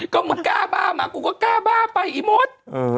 ก็มึงกล้าบ้ามากูก็กล้าบ้าไปอีมด